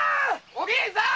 お銀さん。